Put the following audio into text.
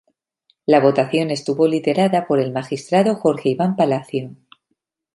La votación estuvo liderada por el magistrado Jorge Iván Palacio.